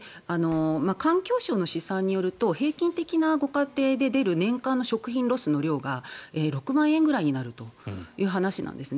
環境省の試算によると平均的なご家庭で出る年間の食品ロスの量が６万円くらいになるという話なんですね。